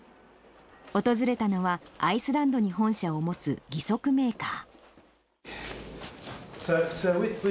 訪れたのは、アイスランドに本社を持つ義足メーカー。